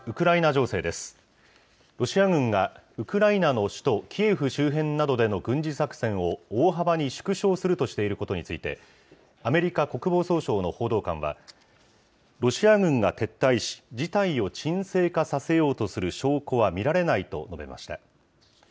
ロシア軍がウクライナの首都キエフ周辺などでの軍事作戦を大幅に縮小するとしていることについて、アメリカ国防総省の報道官は、ロシア軍が撤退し、事態を沈静化させようとする証拠は見られないと述べました。